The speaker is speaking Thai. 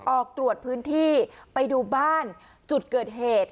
ออกตรวจพื้นที่ไปดูบ้านจุดเกิดเหตุ